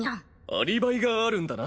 アリバイがあるんだな。